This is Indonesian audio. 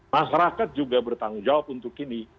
masyarakat juga bertanggung jawab untuk ini